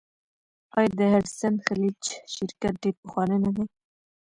آیا د هډسن خلیج شرکت ډیر پخوانی نه دی؟